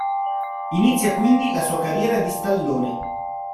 Inizia quindi la sua carriera di stallone.